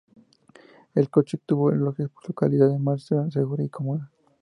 El coche obtuvo elogios por su calidad de marcha segura y cómoda.